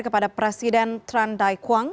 kepada presiden tran dai quang